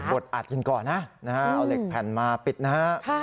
ดอัดกินก่อนนะเอาเหล็กแผ่นมาปิดนะฮะ